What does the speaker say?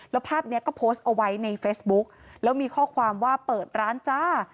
แล้วภาพนี้ก็โพสต์เอาไว้ในเฟซบุ๊กแล้วมีข้อความว่าเปิดร้านจ้า